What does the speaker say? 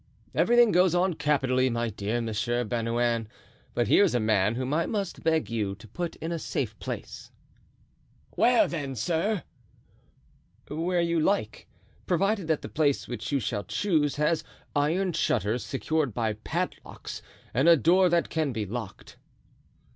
"Everything goes on capitally, my dear Monsieur Bernouin, but here is a man whom I must beg you to put in a safe place." "Where, then, sir?" "Where you like, provided that the place which you shall choose has iron shutters secured by padlocks and a door that can be locked."